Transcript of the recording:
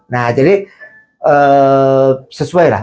nah jadi sesuai lah